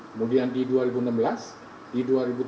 kemudian di dua ribu enam belas di dua ribu tujuh belas